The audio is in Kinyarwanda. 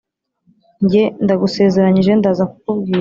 njye: ndagusezeranyije ndaza kukubwira